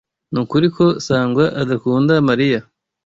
Nukuri ko Sangwa adakunda Mariya?